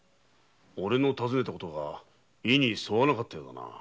俺の尋ねたことが意に沿わなかったのかな？